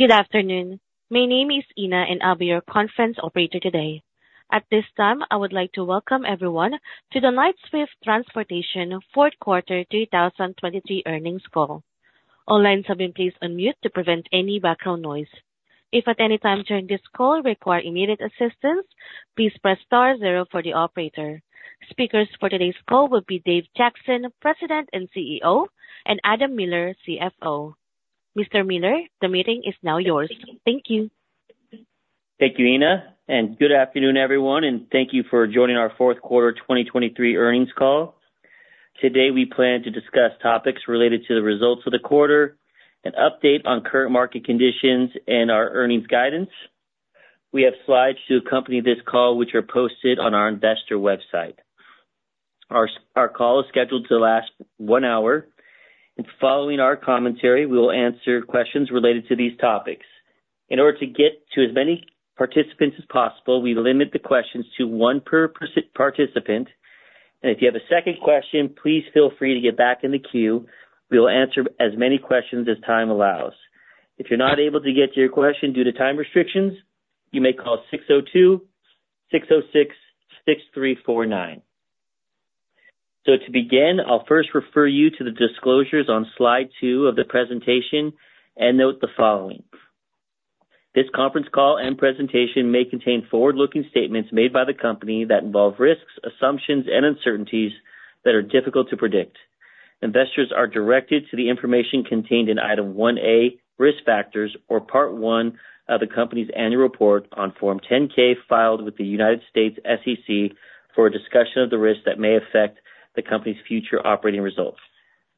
Good afternoon. My name is Ina, and I'll be your conference operator today. At this time, I would like to welcome everyone to the Knight-Swift Transportation Fourth Quarter 2023 Earnings Call. All lines have been placed on mute to prevent any background noise. If at any time during this call require immediate assistance, please press star zero for the operator. Speakers for today's call will be Dave Jackson, President and CEO, and Adam Miller, CFO. Mr. Miller, the meeting is now yours. Thank you. Thank you, Ina, and good afternoon, everyone, and thank you for joining our fourth quarter 2023 earnings call. Today, we plan to discuss topics related to the results of the quarter, an update on current market conditions, and our earnings guidance. We have slides to accompany this call, which are posted on our investor website. Our call is scheduled to last one hour, and following our commentary, we will answer questions related to these topics. In order to get to as many participants as possible, we limit the questions to one per participant, and if you have a second question, please feel free to get back in the queue. We will answer as many questions as time allows. If you're not able to get to your question due to time restrictions, you may call 602-606-6349. So to begin, I'll first refer you to the disclosures on slide two of the presentation and note the following: This conference call and presentation may contain forward-looking statements made by the company that involve risks, assumptions, and uncertainties that are difficult to predict. Investors are directed to the information contained in Item 1A, Risk Factors, or Part One of the company's Annual Report on Form 10-K, filed with the United States SEC for a discussion of the risks that may affect the company's future operating results.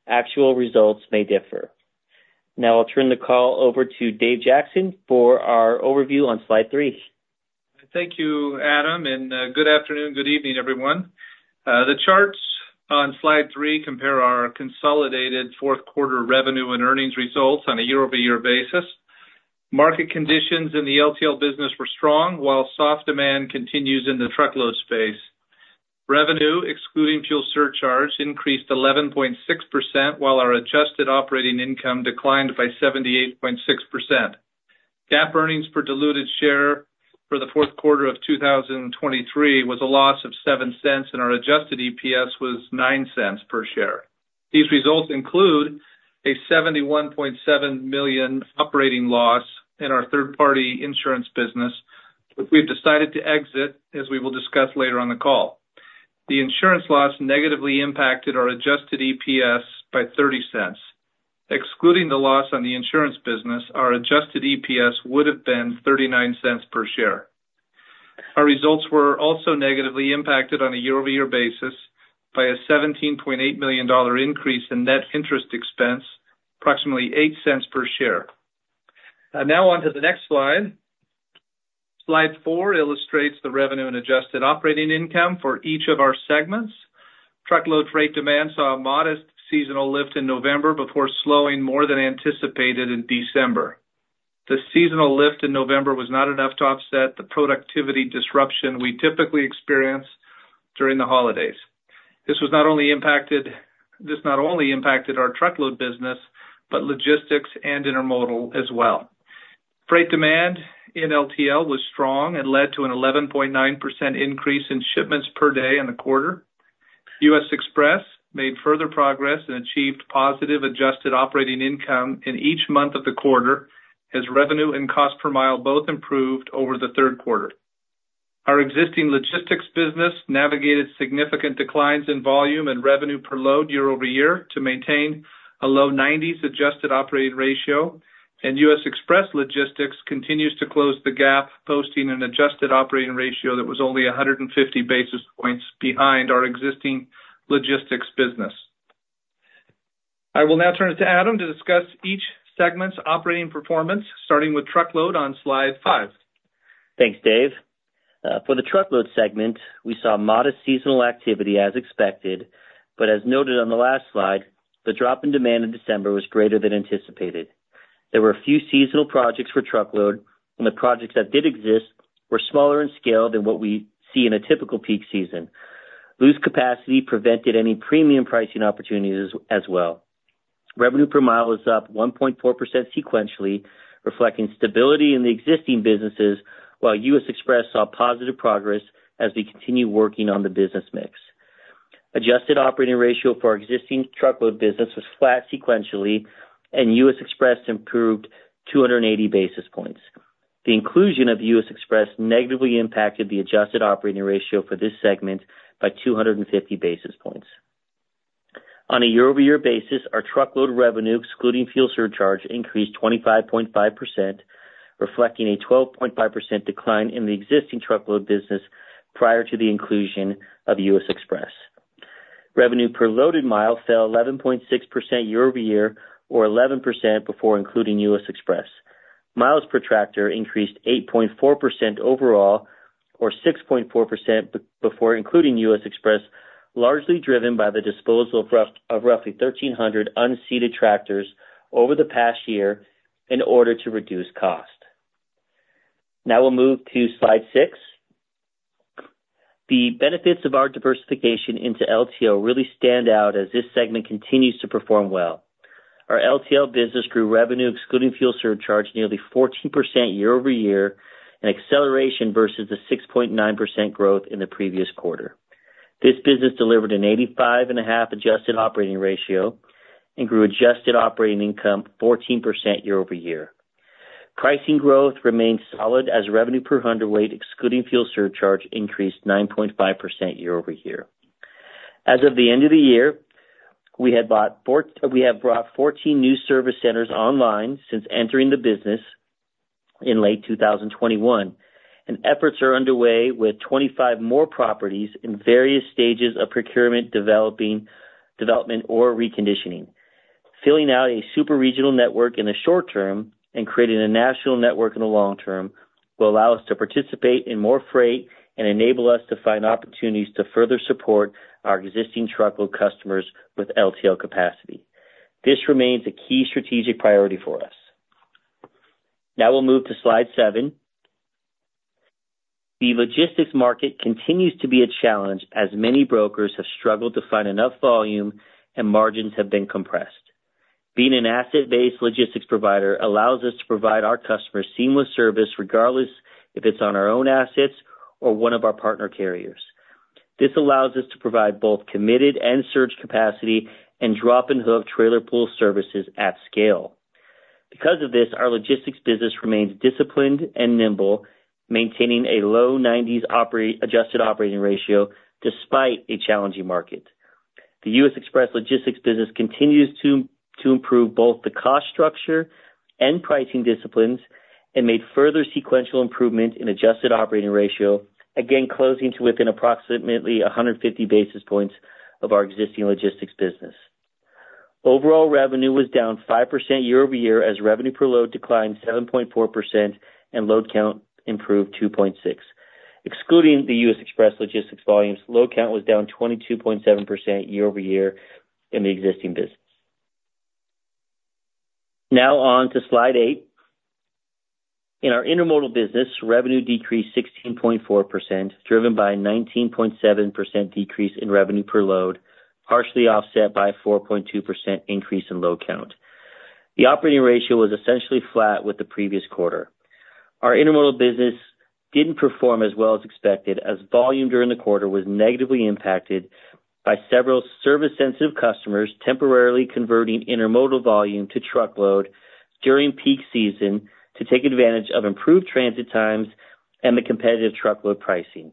Actual results may differ. Now I'll turn the call over to Dave Jackson for our overview on slide three. Thank you, Adam, and, good afternoon, good evening, everyone. The charts on slide three compare our consolidated fourth quarter revenue and earnings results on a year-over-year basis. Market conditions in the LTL business were strong, while soft demand continues in the truckload space. Revenue, excluding fuel surcharge, increased 11.6%, while our adjusted operating income declined by 78.6%. GAAP earnings per diluted share for the fourth quarter of 2023 was a loss of $0.07, and our adjusted EPS was $0.09 per share. These results include a $71.7 million operating loss in our third-party insurance business, which we've decided to exit, as we will discuss later on the call. The insurance loss negatively impacted our adjusted EPS by $0.30. Excluding the loss on the insurance business, our adjusted EPS would have been $0.39 per share. Our results were also negatively impacted on a year-over-year basis by a $17.8 million increase in net interest expense, approximately $0.08 per share. Now on to the next slide. Slide four illustrates the revenue and adjusted operating income for each of our segments. Truckload freight demand saw a modest seasonal lift in November before slowing more than anticipated in December. The seasonal lift in November was not enough to offset the productivity disruption we typically experience during the holidays. This not only impacted our truckload business, but logistics and intermodal as well. Freight demand in LTL was strong and led to an 11.9% increase in shipments per day in the quarter. U.S. Xpress made further progress and achieved positive adjusted operating income in each month of the quarter, as revenue and cost per mile both improved over the third quarter. Our existing logistics business navigated significant declines in volume and revenue per load year over year to maintain a low-90s adjusted operating ratio, and U.S. Xpress Logistics continues to close the gap, posting an adjusted operating ratio that was only 150 basis points behind our existing logistics business. I will now turn it to Adam to discuss each segment's operating performance, starting with truckload on slide five. Thanks, Dave. For the truckload segment, we saw modest seasonal activity as expected, but as noted on the last slide, the drop in demand in December was greater than anticipated. There were a few seasonal projects for truckload, and the projects that did exist were smaller in scale than what we see in a typical peak season. Loose capacity prevented any premium pricing opportunities as well. Revenue per mile was up 1.4% sequentially, reflecting stability in the existing businesses, while U.S. Xpress saw positive progress as we continue working on the business mix. Adjusted operating ratio for our existing truckload business was flat sequentially, and U.S. Xpress improved 280 basis points. The inclusion of U.S. Xpress negatively impacted the adjusted operating ratio for this segment by 250 basis points. On a year-over-year basis, our truckload revenue, excluding fuel surcharge, increased 25.5%, reflecting a 12.5% decline in the existing truckload business prior to the inclusion of U.S. Xpress. Revenue per loaded mile fell 11.6% year-over-year, or 11% before including U.S. Xpress. Miles per tractor increased 8.4% overall, or 6.4% before including U.S. Xpress, largely driven by the disposal of roughly 1,300 unseated tractors over the past year in order to reduce cost. Now we'll move to slide six. The benefits of our diversification into LTL really stand out as this segment continues to perform well. Our LTL business grew revenue, excluding fuel surcharge, nearly 14% year-over-year, an acceleration versus the 6.9% growth in the previous quarter. This business delivered an 85.5 adjusted operating ratio and grew adjusted operating income 14% year-over-year. Pricing growth remained solid as revenue per hundredweight, excluding fuel surcharge, increased 9.5% year-over-year. As of the end of the year, we have brought 14 new service centers online since entering the business in late 2021, and efforts are underway with 25 more properties in various stages of procurement, development, or reconditioning. Filling out a super regional network in the short term and creating a national network in the long term will allow us to participate in more freight and enable us to find opportunities to further support our existing truckload customers with LTL capacity. This remains a key strategic priority for us. Now we'll move to slide seven. The logistics market continues to be a challenge, as many brokers have struggled to find enough volume and margins have been compressed. Being an asset-based logistics provider allows us to provide our customers seamless service, regardless if it's on our own assets or one of our partner carriers. This allows us to provide both committed and surge capacity and drop and hook trailer pool services at scale. Because of this, our logistics business remains disciplined and nimble, maintaining a low 90s adjusted operating ratio despite a challenging market. The U.S. Xpress logistics business continues to improve both the cost structure and pricing disciplines, and made further sequential improvement in adjusted operating ratio, again, closing to within approximately 150 basis points of our existing logistics business. Overall revenue was down 5% year-over-year, as revenue per load declined 7.4% and load count improved 2.6. Excluding the U.S. Xpress Logistics volumes, load count was down 22.7% year-over-year in the existing business. Now on to Slide eight. In our Intermodal business, revenue decreased 16.4%, driven by a 19.7% decrease in revenue per load, partially offset by a 4.2% increase in load count. The operating ratio was essentially flat with the previous quarter. Our Intermodal business didn't perform as well as expected, as volume during the quarter was negatively impacted by several service-sensitive customers temporarily converting Intermodal volume to Truckload during peak season to take advantage of improved transit times and the competitive Truckload pricing.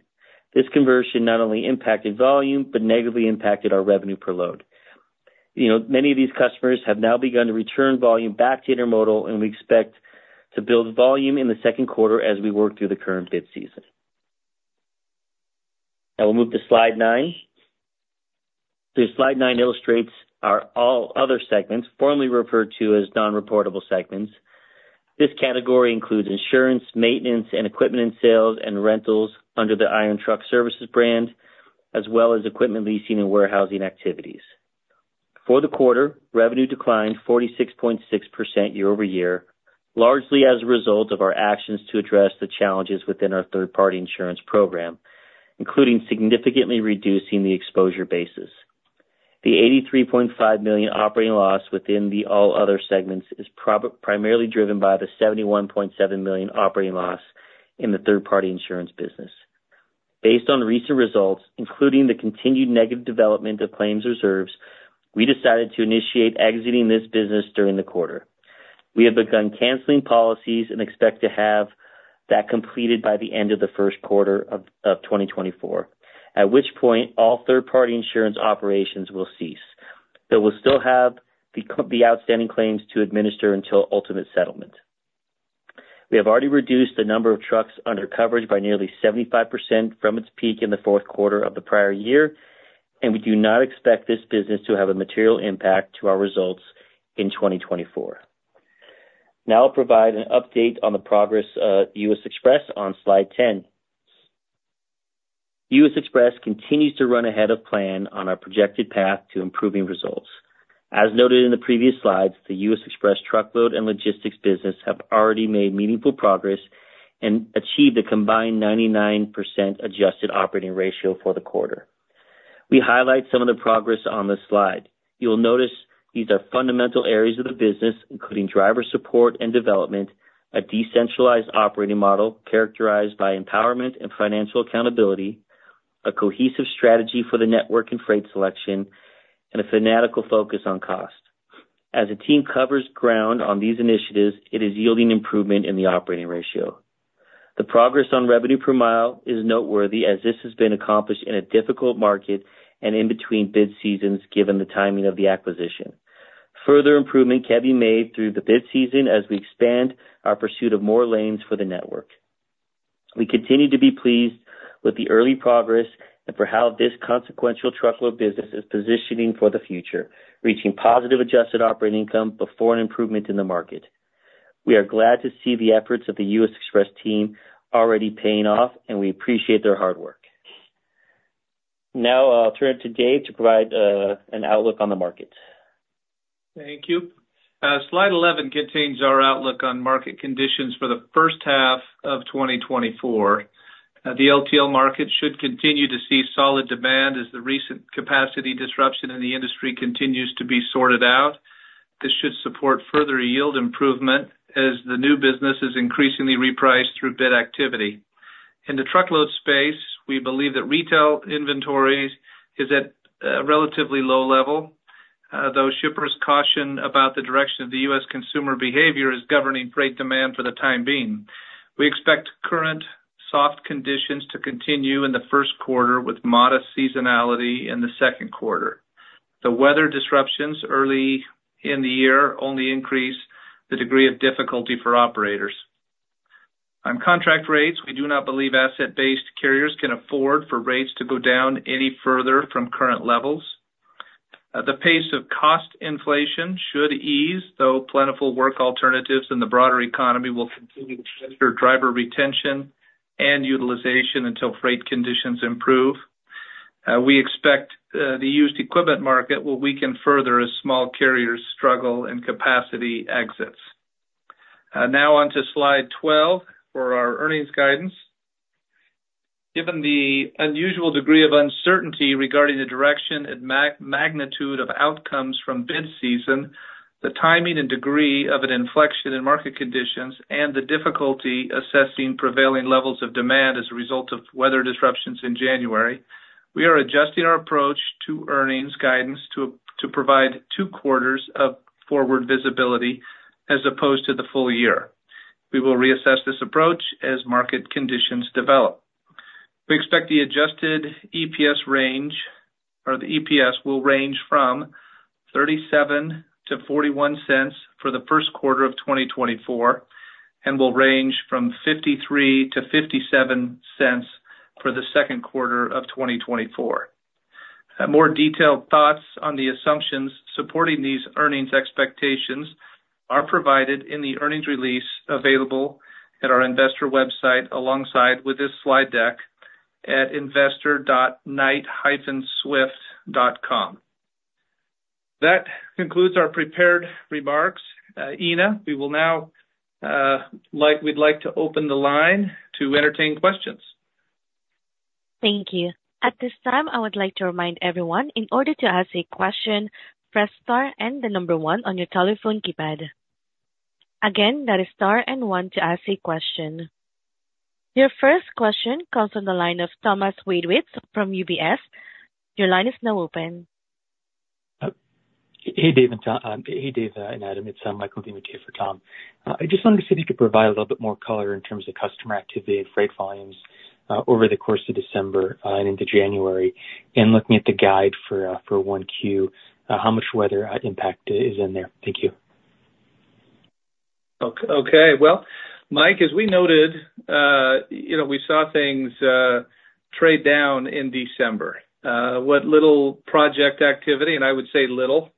This conversion not only impacted volume, but negatively impacted our revenue per load. You know, many of these customers have now begun to return volume back to Intermodal, and we expect to build volume in the second quarter as we work through the current Bid Season. Now we'll move to Slide nine. Slide nine illustrates our all other segments, formerly referred to as non-reportable segments. This category includes insurance, maintenance, and equipment and sales, and rentals under the Iron Truck Services brand, as well as equipment leasing and warehousing activities. For the quarter, revenue declined 46.6% year-over-year, largely as a result of our actions to address the challenges within our third-party insurance program, including significantly reducing the exposure basis. The $83.5 million operating loss within the all other segments is primarily driven by the $71.7 million operating loss in the third-party insurance business. Based on recent results, including the continued negative development of claims reserves, we decided to initiate exiting this business during the quarter. We have begun canceling policies and expect to have that completed by the end of the first quarter of 2024, at which point all third-party insurance operations will cease, though we'll still have the outstanding claims to administer until ultimate settlement. We have already reduced the number of trucks under coverage by nearly 75% from its peak in the fourth quarter of the prior year, and we do not expect this business to have a material impact to our results in 2024. Now I'll provide an update on the progress of U.S. Xpress on Slide 10. U.S. Xpress continues to run ahead of plan on our projected path to improving results. As noted in the previous slides, the U.S. Xpress truckload and logistics business have already made meaningful progress and achieved a combined 99% adjusted operating ratio for the quarter. We highlight some of the progress on this slide. You will notice these are fundamental areas of the business, including driver support and development, a decentralized operating model characterized by empowerment and financial accountability, a cohesive strategy for the network and freight selection, and a fanatical focus on cost. As the team covers ground on these initiatives, it is yielding improvement in the operating ratio. The progress on revenue per mile is noteworthy, as this has been accomplished in a difficult market and in between bid seasons, given the timing of the acquisition. Further improvement can be made through the bid season as we expand our pursuit of more lanes for the network. We continue to be pleased with the early progress and for how this consequential truckload business is positioning for the future, reaching positive adjusted operating income before an improvement in the market. We are glad to see the efforts of the U.S. Xpress team already paying off, and we appreciate their hard work. Now I'll turn it to Dave to provide an outlook on the market. Thank you. Slide 11 contains our outlook on market conditions for the first half of 2024. The LTL market should continue to see solid demand as the recent capacity disruption in the industry continues to be sorted out. This should support further yield improvement as the new business is increasingly repriced through bid activity. In the truckload space, we believe that retail inventories is at a relatively low level, though shippers caution about the direction of the U.S. consumer behavior is governing freight demand for the time being. We expect current soft conditions to continue in the first quarter with modest seasonality in the second quarter. The weather disruptions early in the year only increase the degree of difficulty for operators. On contract rates, we do not believe asset-based carriers can afford for rates to go down any further from current levels. The pace of cost inflation should ease, though plentiful work alternatives in the broader economy will continue to pressure driver retention and utilization until freight conditions improve. We expect the used equipment market will weaken further as small carriers struggle and capacity exits. Now on to slide 12 for our earnings guidance. Given the unusual degree of uncertainty regarding the direction and magnitude of outcomes from bid season, the timing and degree of an inflection in market conditions, and the difficulty assessing prevailing levels of demand as a result of weather disruptions in January, we are adjusting our approach to earnings guidance to provide two quarters of forward visibility as opposed to the full year. We will reassess this approach as market conditions develop. We expect the adjusted EPS range, or the EPS will range from $0.37-$0.41 for the first quarter of 2024, and will range from $0.53-$0.57 for the second quarter of 2024. More detailed thoughts on the assumptions supporting these earnings expectations are provided in the earnings release available at our investor website, alongside with this slide deck at investor.knight-swift.com. That concludes our prepared remarks. Ina, we will now, we'd like to open the line to entertain questions. Thank you. At this time, I would like to remind everyone, in order to ask a question, press star and the number one on your telephone keypad. Again, that is star and one to ask a question. Your first question comes from the line of Thomas Wadewitz from UBS. Your line is now open. Hey, Dave and Adam, it's Michael DiMattia for Tom. I just wondered if you could provide a little bit more color in terms of customer activity and freight volumes over the course of December and into January, and looking at the guide for 1Q, how much weather impact is in there? Thank you. Okay. Well, Mike, as we noted, you know, we saw things trade down in December. What little project activity, and I would say little,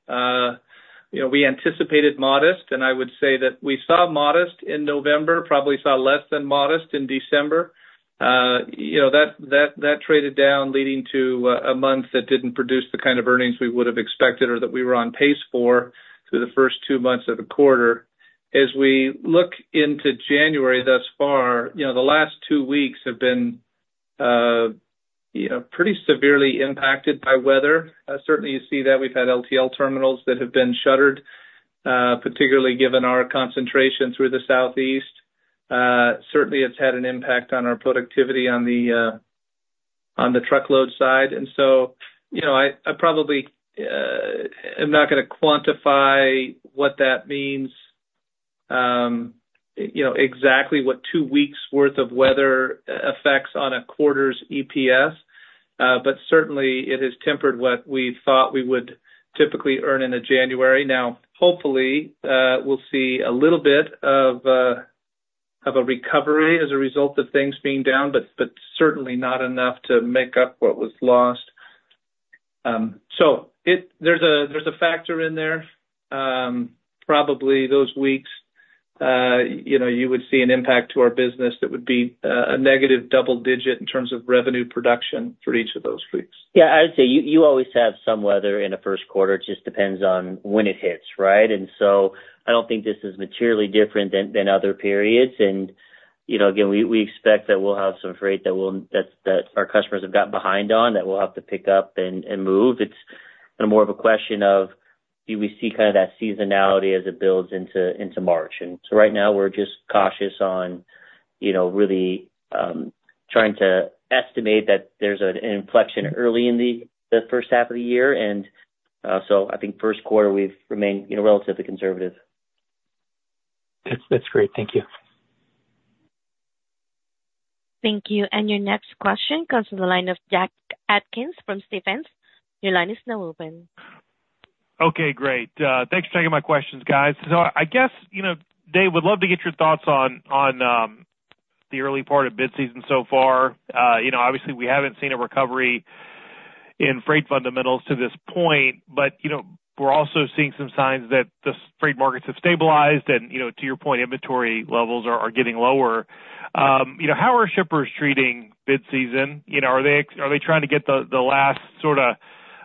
you know, we anticipated modest, and I would say that we saw modest in November, probably saw less than modest in December. You know, that traded down, leading to a month that didn't produce the kind of earnings we would have expected or that we were on pace for through the first two months of the quarter. As we look into January thus far, you know, the last two weeks have been, you know, pretty severely impacted by weather. Certainly you see that we've had LTL terminals that have been shuttered, particularly given our concentration through the Southeast. Certainly it's had an impact on our productivity on the truckload side, and so, you know, I probably am not gonna quantify what that means, you know, exactly what 2 weeks' worth of weather effects on a quarter's EPS, but certainly it has tempered what we thought we would typically earn in a January. Now, hopefully, we'll see a little bit of a recovery as a result of things being down, but certainly not enough to make up what was lost. So there's a factor in there. Probably those weeks, you know, you would see an impact to our business that would be a negative double digit in terms of revenue production for each of those weeks. Yeah, I'd say you always have some weather in the first quarter. It just depends on when it hits, right? And so I don't think this is materially different than other periods. And, you know, again, we expect that we'll have some freight that our customers have got behind on, that we'll have to pick up and move. It's kind of more of a question of, do we see kind of that seasonality as it builds into March? And so right now we're just cautious on, you know, really trying to estimate that there's an inflection early in the first half of the year. And so I think first quarter we've remained, you know, relatively conservative. That's, that's great. Thank you. Thank you. Your next question comes from the line of Jack Atkins from Stephens. Your line is now open. Okay, great. Thanks for taking my questions, guys. So I guess, you know, Dave, would love to get your thoughts on the early part of bid season so far. You know, obviously we haven't seen a recovery in freight fundamentals to this point, but, you know, we're also seeing some signs that the freight markets have stabilized and, you know, to your point, inventory levels are getting lower. You know, how are shippers treating bid season? You know, are they trying to get the last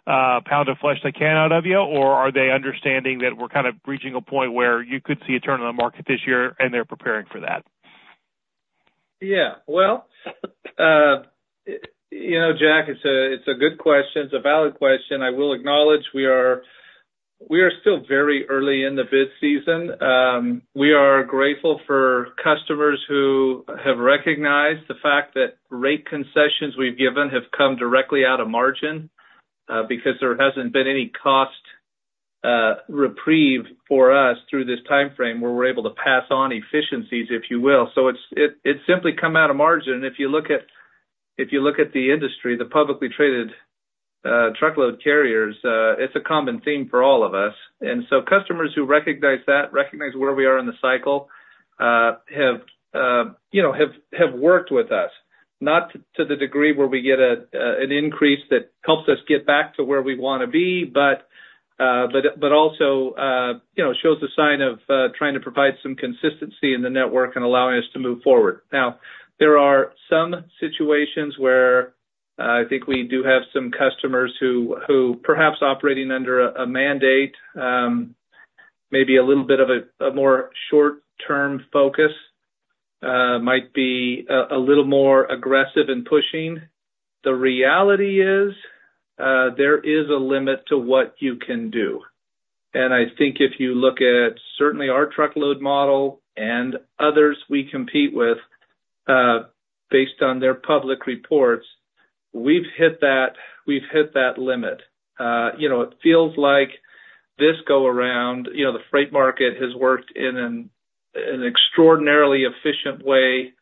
sorta pound of flesh they can out of you? Or are they understanding that we're kind of reaching a point where you could see a turn in the market this year and they're preparing for that? Yeah. Well, you know, Jack, it's a good question. It's a valid question. I will acknowledge we are still very early in the bid season. We are grateful for customers who have recognized the fact that rate concessions we've given have come directly out of margin, because there hasn't been any cost reprieve for us through this timeframe, where we're able to pass on efficiencies, if you will. So it's simply come out of margin. If you look at the industry, the publicly traded truckload carriers, it's a common theme for all of us. And so customers who recognize that, recognize where we are in the cycle, you know, have worked with us. Not to the degree where we get an increase that helps us get back to where we want to be, but also, you know, shows a sign of trying to provide some consistency in the network and allowing us to move forward. Now, there are some situations where I think we do have some customers who perhaps operating under a mandate, maybe a little bit of a more short-term focus, might be a little more aggressive in pushing. The reality is, there is a limit to what you can do. And I think if you look at certainly our truckload model and others we compete with, based on their public reports, we've hit that, we've hit that limit. You know, it feels like this go around, you know, the freight market has worked in an extraordinarily efficient way,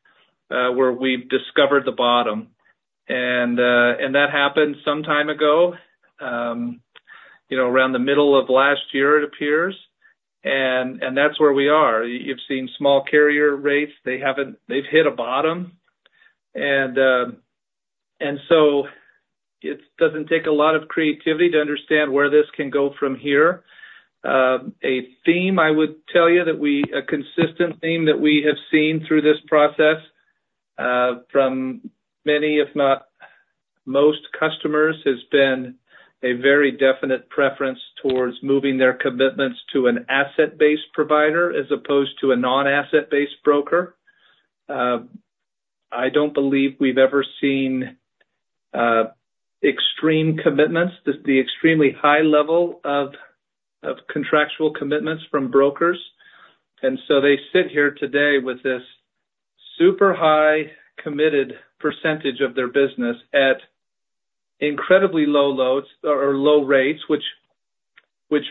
where we've discovered the bottom. And that happened some time ago, you know, around the middle of last year, it appears. And that's where we are. You've seen small carrier rates. They haven't, they've hit a bottom. And so it doesn't take a lot of creativity to understand where this can go from here. A consistent theme that we have seen through this process, from many, if not most customers, has been a very definite preference towards moving their commitments to an asset-based provider, as opposed to a non-asset-based broker. I don't believe we've ever seen extreme commitments, the extremely high level of contractual commitments from brokers. And so they sit here today with this super high committed percentage of their business at incredibly low loads or low rates, which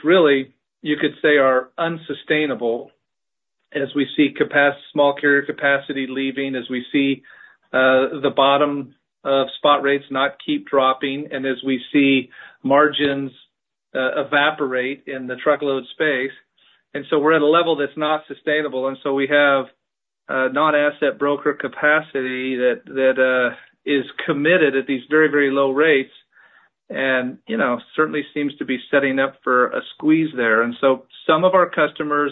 really you could say are unsustainable as we see small carrier capacity leaving, as we see the bottom of spot rates not keep dropping, and as we see margins evaporate in the truckload space. And so we're at a level that's not sustainable, and so we have non-asset broker capacity that is committed at these very, very low rates and, you know, certainly seems to be setting up for a squeeze there. And so some of our customers,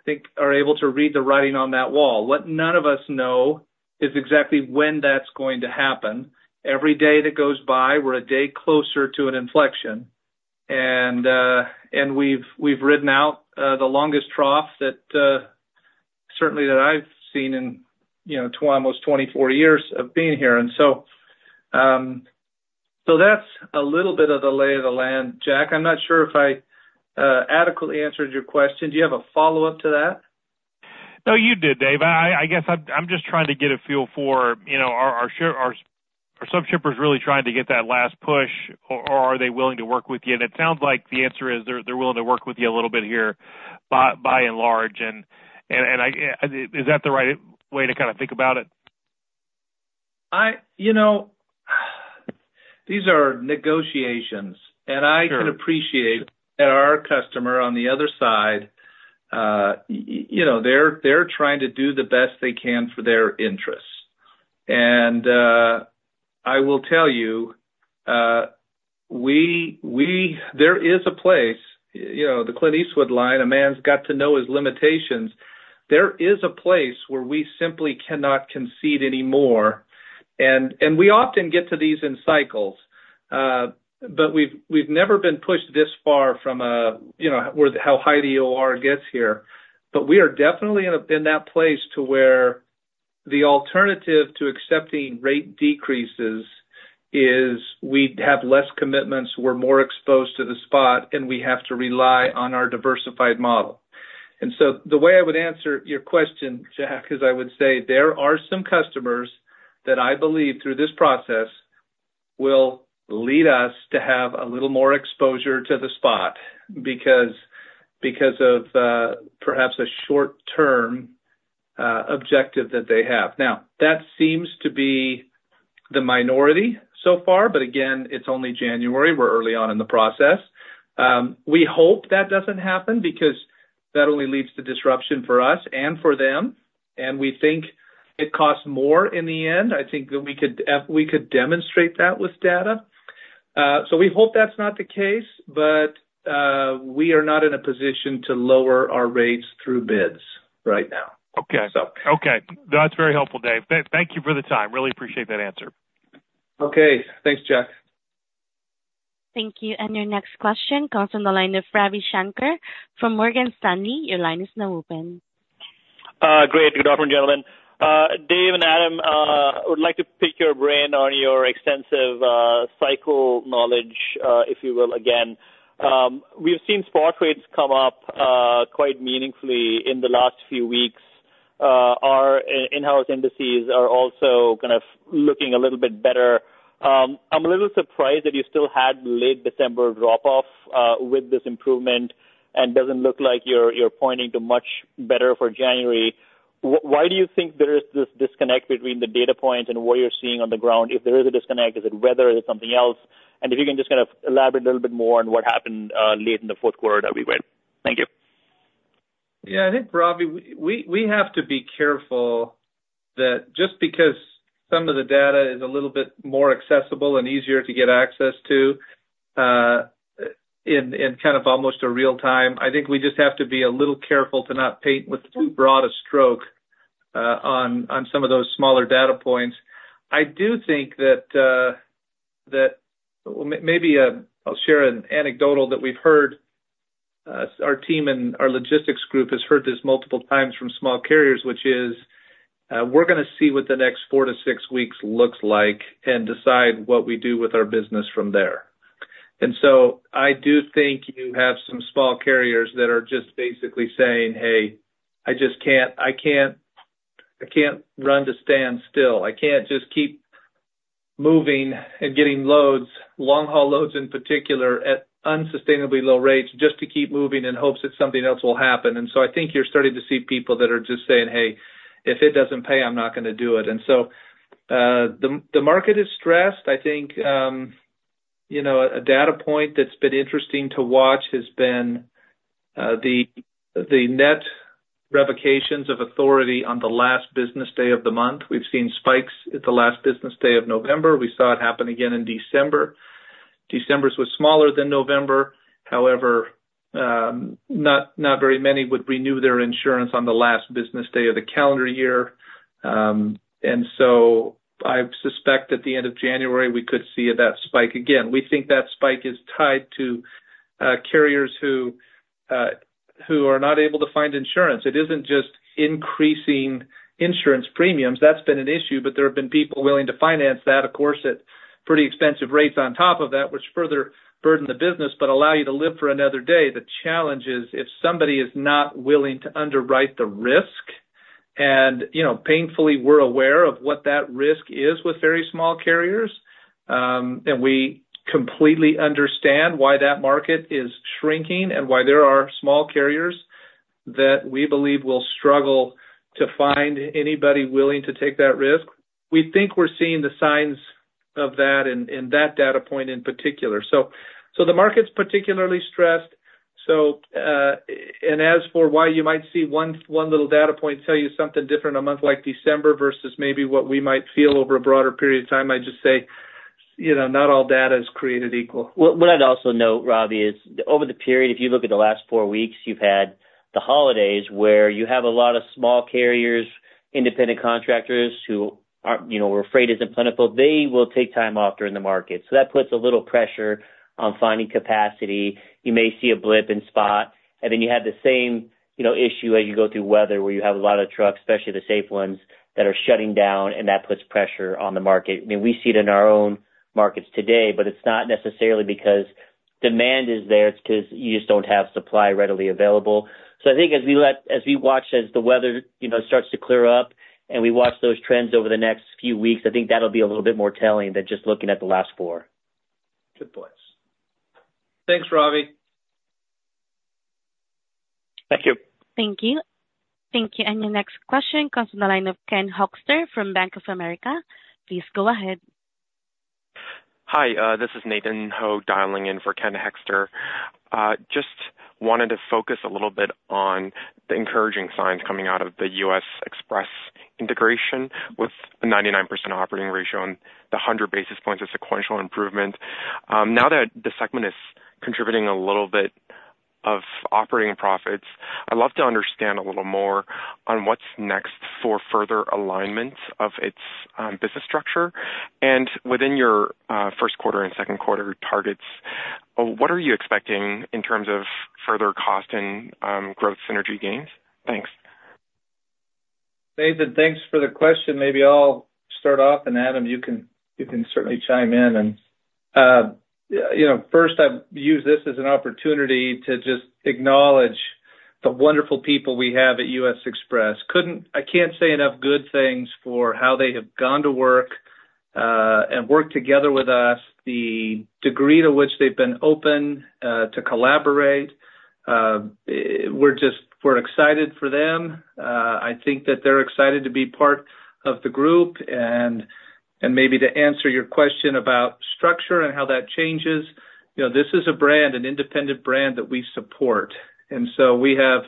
I think, are able to read the writing on that wall. What none of us know is exactly when that's going to happen. Every day that goes by, we're a day closer to an inflection, and we've ridden out the longest trough that certainly that I've seen in, you know, almost 24 years of being here. So that's a little bit of the lay of the land, Jack. I'm not sure if I adequately answered your question. Do you have a follow-up to that? No, you did, Dave. I guess I'm just trying to get a feel for, you know, are some shippers really trying to get that last push, or are they willing to work with you? And it sounds like the answer is they're willing to work with you a little bit here, by and large, and is that the right way to kind of think about it? You know, these are negotiations. Sure. I can appreciate that our customer on the other side, you know, they're trying to do the best they can for their interests. I will tell you, there is a place, you know, the Clint Eastwood line: "A man's got to know his limitations." There is a place where we simply cannot concede anymore, and we often get to these in cycles. But we've never been pushed this far from, you know, how high the OR gets here. But we are definitely in that place where the alternative to accepting rate decreases is we'd have less commitments, we're more exposed to the spot, and we have to rely on our diversified model. So the way I would answer your question, Jack, is I would say there are some customers that I believe, through this process, will lead us to have a little more exposure to the spot because of perhaps a short-term objective that they have. Now, that seems to be the minority so far, but again, it's only January. We're early on in the process. We hope that doesn't happen because that only leads to disruption for us and for them, and we think it costs more in the end. I think that we could demonstrate that with data. So we hope that's not the case, but we are not in a position to lower our rates through bids right now. Okay. So. Okay. That's very helpful, Dave. Thank you for the time. Really appreciate that answer. Okay. Thanks, Jack. Thank you. And your next question comes from the line of Ravi Shanker from Morgan Stanley. Your line is now open. Great. Good afternoon, gentlemen. Dave and Adam, would like to pick your brain on your extensive, cycle knowledge, if you will, again. We've seen spot rates come up, quite meaningfully in the last few weeks. Our in-house indices are also kind of looking a little bit better. I'm a little surprised that you still had late December drop off, with this improvement, and doesn't look like you're pointing to much better for January. Why do you think there is this disconnect between the data points and what you're seeing on the ground? If there is a disconnect, is it weather or is it something else? And if you can just kind of elaborate a little bit more on what happened, late in the fourth quarter that we went. Thank you. Yeah, I think, Ravi, we have to be careful that just because some of the data is a little bit more accessible and easier to get access to, in kind of almost real time, I think we just have to be a little careful to not paint with too broad a stroke, on some of those smaller data points. I do think that maybe I'll share an anecdote that we've heard. Our team and our logistics group has heard this multiple times from small carriers, which is, we're gonna see what the next four to six weeks looks like and decide what we do with our business from there. And so I do think you have some small carriers that are just basically saying, "Hey, I just can't, I can't, I can't run to stand still. I can't just keep moving and getting loads, long haul loads in particular, at unsustainably low rates, just to keep moving in hopes that something else will happen." And so I think you're starting to see people that are just saying, "Hey, if it doesn't pay, I'm not gonna do it." And so the market is stressed. I think you know, a data point that's been interesting to watch has been the net revocations of authority on the last business day of the month. We've seen spikes at the last business day of November. We saw it happen again in December. December's was smaller than November, however, not very many would renew their insurance on the last business day of the calendar year. And so I suspect at the end of January, we could see that spike again. We think that spike is tied to carriers who are not able to find insurance. It isn't just increasing insurance premiums. That's been an issue, but there have been people willing to finance that, of course, at pretty expensive rates on top of that, which further burden the business, but allow you to live for another day. The challenge is, if somebody is not willing to underwrite the risk, and, you know, painfully, we're aware of what that risk is with very small carriers, and we completely understand why that market is shrinking and why there are small carriers that we believe will struggle to find anybody willing to take that risk. We think we're seeing the signs of that in that data point in particular. So the market's particularly stressed. As for why you might see one little data point tell you something different, a month like December versus maybe what we might feel over a broader period of time, I'd just say, you know, not all data is created equal. Well, what I'd also note, Ravi, is over the period, if you look at the last four weeks, you've had the holidays where you have a lot of small carriers, independent contractors, who aren't, you know, where freight isn't plentiful. They will take time off during the market. So that puts a little pressure on finding capacity. You may see a blip in spot, and then you have the same, you know, issue as you go through weather, where you have a lot of trucks, especially the safe ones, that are shutting down, and that puts pressure on the market. I mean, we see it in our own markets today, but it's not necessarily because demand is there. It's because you just don't have supply readily available. I think as we watch, as the weather, you know, starts to clear up and we watch those trends over the next few weeks, I think that'll be a little bit more telling than just looking at the last four. Good points. Thanks, Ravi. Thank you. Thank you. Thank you. And your next question comes from the line of Ken Hoexter from Bank of America. Please go ahead. Hi, this is Nathan Ho, dialing in for Ken Hoexter. Just wanted to focus a little bit on the encouraging signs coming out of the U.S. Xpress integration with the 99% operating ratio and the 100 basis points of sequential improvement. Now that the segment is contributing a little bit of operating profits, I'd love to understand a little more on what's next for further alignment of its business structure. And within your first quarter and second quarter targets, what are you expecting in terms of further cost and growth synergy gains? Thanks. Nathan, thanks for the question. Maybe I'll start off, and Adam, you can certainly chime in. And you know, first, I use this as an opportunity to just acknowledge the wonderful people we have at U.S. Xpress. I can't say enough good things for how they have gone to work and worked together with us, the degree to which they've been open to collaborate. We're just, we're excited for them. I think that they're excited to be part of the group. And maybe to answer your question about structure and how that changes, you know, this is a brand, an independent brand that we support. And so we have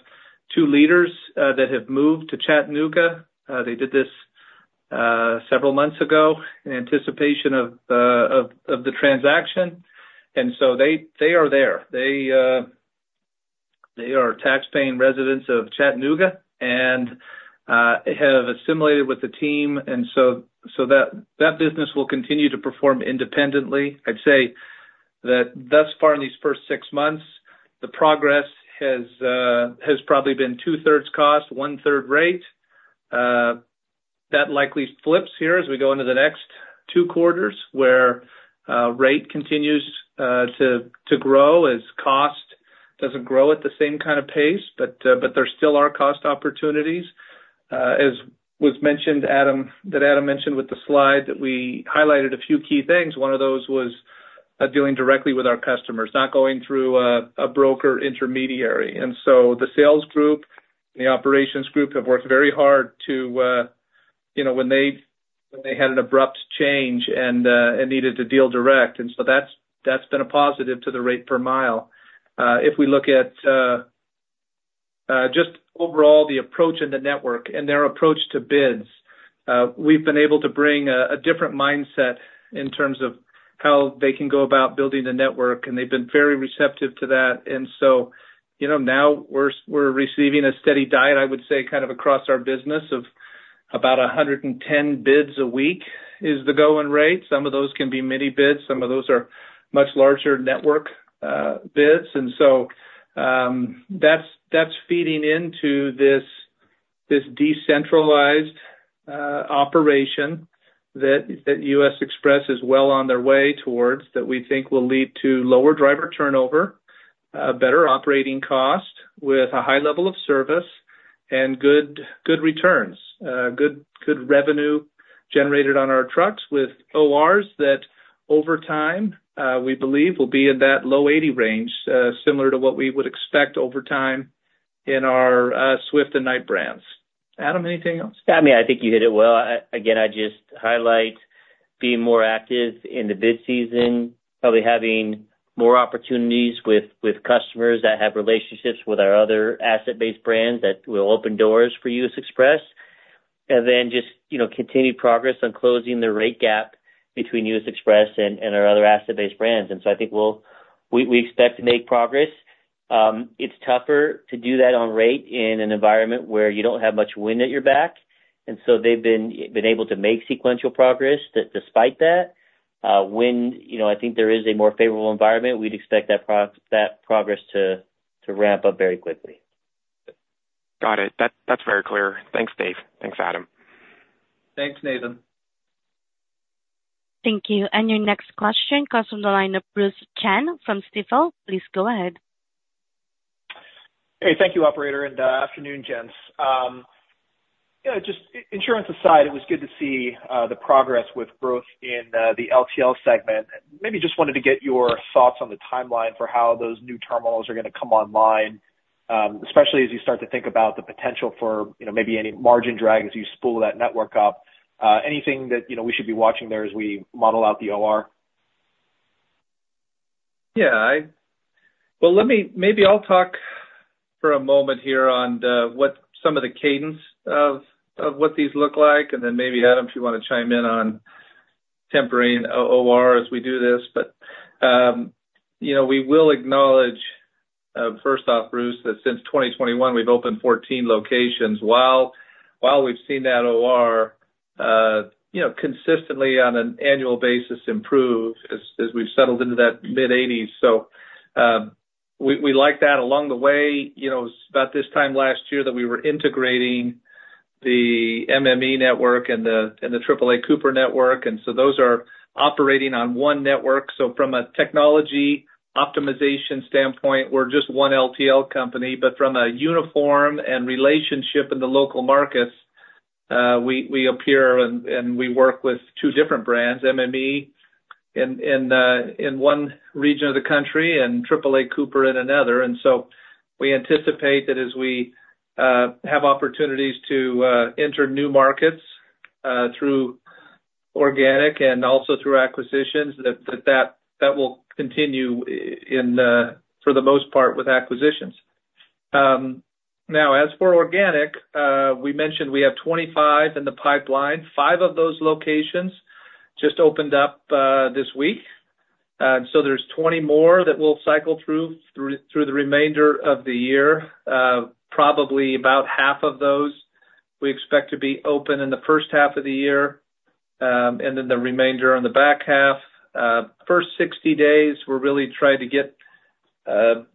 two leaders that have moved to Chattanooga. They did this several months ago in anticipation of the transaction. And so they are there. They... They are tax paying residents of Chattanooga and have assimilated with the team, and so that business will continue to perform independently. I'd say that thus far in these first six months, the progress has probably been two-thirds cost, one-third rate. That likely flips here as we go into the next two quarters, where rate continues to grow as cost doesn't grow at the same kind of pace, but there still are cost opportunities. As was mentioned, Adam, that Adam mentioned with the slide, that we highlighted a few key things. One of those was dealing directly with our customers, not going through a broker intermediary. And so the sales group, the operations group, have worked very hard to, you know, when they, when they had an abrupt change and, and needed to deal direct, and so that's, that's been a positive to the rate per mile. If we look at, just overall, the approach in the network and their approach to bids, we've been able to bring a, a different mindset in terms of how they can go about building the network, and they've been very receptive to that. And so, you know, now we're receiving a steady diet, I would say, kind of across our business of about 110 bids a week, is the going rate. Some of those can be mini bids, some of those are much larger network, bids. And so, that's feeding into this decentralized operation that U.S. Xpress is well on their way towards, that we think will lead to lower driver turnover, better operating cost, with a high level of service and good returns. Good revenue generated on our trucks with ORs that over time, we believe will be in that low 80 range, similar to what we would expect over time in our Swift and Knight brands. Adam, anything else? I mean, I think you hit it well. Again, I'd just highlight being more active in the Bid Season, probably having more opportunities with customers that have relationships with our other asset-based brands that will open doors for U.S. Xpress. And then just, you know, continued progress on closing the rate gap between U.S. Xpress and our other asset-based brands. And so I think we'll, we expect to make progress. It's tougher to do that on rate in an environment where you don't have much wind at your back, and so they've been able to make sequential progress despite that. When, you know, I think there is a more favorable environment, we'd expect that progress to ramp up very quickly. Got it. That, that's very clear. Thanks, Dave. Thanks, Adam. Thanks, Nathan. Thank you. And your next question comes from the line of Bruce Chan from Stifel. Please go ahead. Hey, thank you, operator, and afternoon, gents. You know, just insurance aside, it was good to see the progress with growth in the LTL segment. Maybe just wanted to get your thoughts on the timeline for how those new terminals are going to come online, especially as you start to think about the potential for, you know, maybe any margin drag as you spool that network up. Anything that, you know, we should be watching there as we model out the OR? Yeah, well, let me maybe I'll talk for a moment here on what some of the cadence of what these look like, and then maybe, Adam, if you want to chime in on tempering OR as we do this. But, you know, we will acknowledge first off, Bruce, that since 2021, we've opened 14 locations. While we've seen that OR, you know, consistently on an annual basis improve as we've settled into that mid-80s. So, we like that along the way, you know, it's about this time last year that we were integrating the MME network and the AAA Cooper network, and so those are operating on one network. So from a technology optimization standpoint, we're just one LTL company, but from a uniform and relationship in the local markets, we appear and we work with two different brands, MME in one region of the country and AAA Cooper in another. And so we anticipate that as we have opportunities to enter new markets through organic and also through acquisitions, that will continue in, for the most part, with acquisitions. Now, as for organic, we mentioned we have 25 in the pipeline. Five of those locations just opened up this week. So there's 20 more that we'll cycle through the remainder of the year. Probably about half of those we expect to be open in the first half of the year, and then the remainder on the back half. First 60 days, we're really trying to get,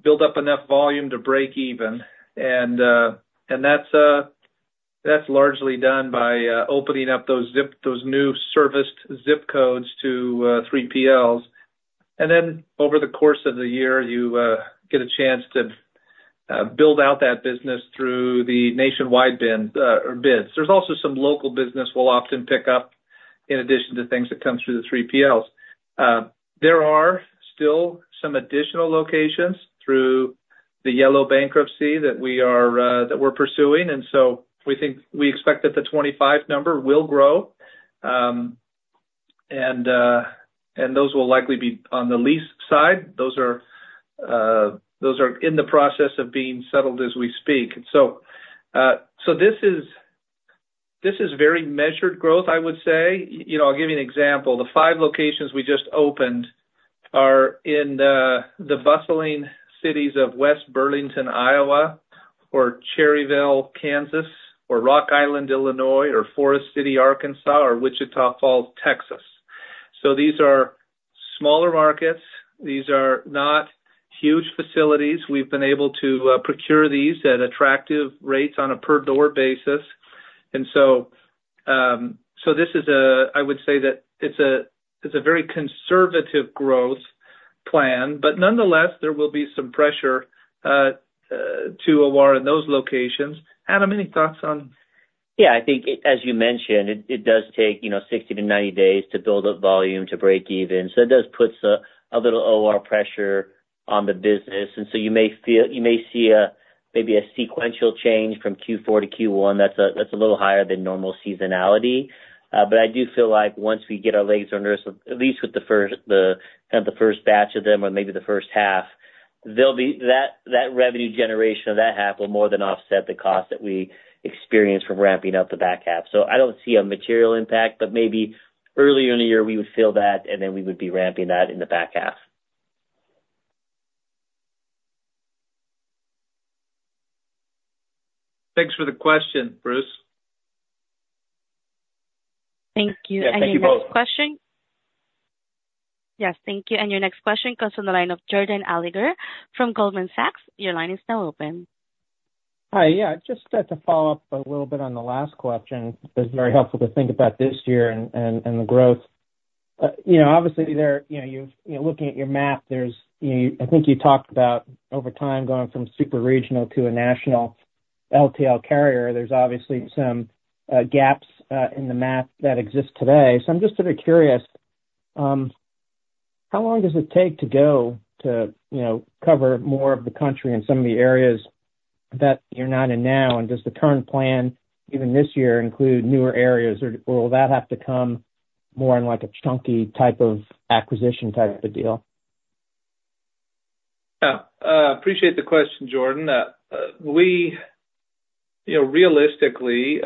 build up enough volume to break even. And, and that's, that's largely done by, opening up those zip- those new serviced zip codes to, 3PLs. And then over the course of the year, you, get a chance to, build out that business through the nationwide bid, or bids. There's also some local business we'll often pick up in addition to things that come through the 3PLs. There are still some additional locations through the Yellow bankruptcy that we are, that we're pursuing, and so we think we expect that the 25 number will grow. Those will likely be on the lease side. Those are, those are in the process of being settled as we speak. And so, this is very measured growth, I would say. You know, I'll give you an example. The five locations we just opened are in the bustling cities of West Burlington, Iowa, or Cherryvale, Kansas, or Rock Island, Illinois, or Forrest City, Arkansas, or Wichita Falls, Texas. So these are smaller markets. These are not huge facilities. We've been able to procure these at attractive rates on a per door basis. And so, this is a, I would say that it's a, it's a very conservative growth plan, but nonetheless, there will be some pressure to OR in those locations. Adam, any thoughts on? Yeah, I think, as you mentioned, it, it does take, you know, 60-90 days to build up volume to break even. So it does puts a, a little OR pressure on the business, and so you may feel, you may see a, maybe a sequential change from Q4 to Q1 that's a, that's a little higher than normal seasonality. But I do feel like once we get our legs under us, at least with the first, the, kind of the first batch of them, or maybe the first half, there'll be that. That revenue generation of that half will more than offset the cost that we experience from ramping up the back half. So I don't see a material impact, but maybe earlier in the year, we would feel that, and then we would be ramping that in the back half. Thanks for the question, Bruce. Thank you. Yeah, thank you both. And your next question... Yes, thank you. And your next question comes from the line of Jordan Alliger from Goldman Sachs. Your line is now open. Hi. Yeah, just to follow up a little bit on the last question, it was very helpful to think about this year and the growth. You know, obviously, looking at your map, there's. I think you talked about over time, going from super regional to a national LTL carrier, there's obviously some gaps in the map that exist today. So I'm just sort of curious, how long does it take to go to, you know, cover more of the country and some of the areas that you're not in now? And does the current plan, even this year, include newer areas, or will that have to come more in, like, a chunky type of acquisition type of a deal? Appreciate the question, Jordan. We, you know, realistically,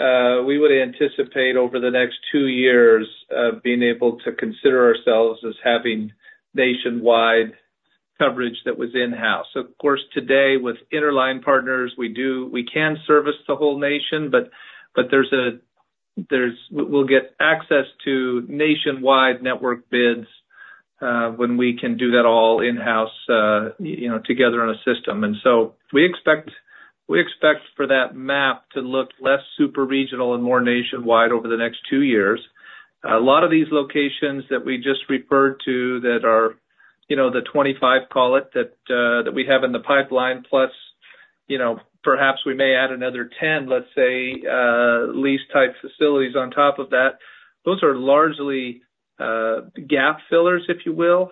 we would anticipate over the next two years, being able to consider ourselves as having nationwide coverage that was in-house. Of course, today, with interline partners, we can service the whole nation, but there's a. We'll get access to nationwide network bids, when we can do that all in-house, you know, together in a system. And so we expect for that map to look less super regional and more nationwide over the next two years. A lot of these locations that we just referred to that are, you know, the 25 pallet that we have in the pipeline, plus, you know, perhaps we may add another 10, let's say, lease type facilities on top of that. Those are largely gap fillers, if you will.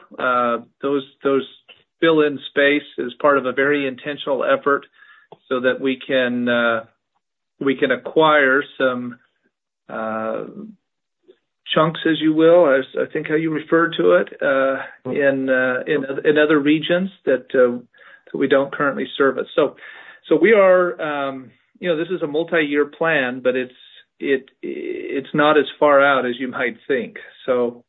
Those fill in space as part of a very intentional effort so that we can acquire some chunks, as you will, as I think, how you referred to it, in other regions that we don't currently service. So we are, you know, this is a multi-year plan, but it's not as far out as you might think. So